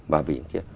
và vì những gì